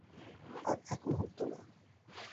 আর এক মুহূর্ত না।